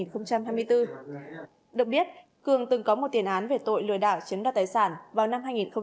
được biết cường từng có một tiền án về tội lừa đảo chiếm đoạt tài sản vào năm hai nghìn một mươi